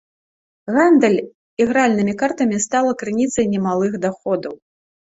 Гандаль ігральнымі картамі стала крыніцай немалых даходаў.